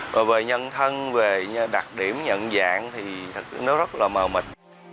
và về nhân thân về đặc điểm nhận dạng thì nó rất là mờ mệt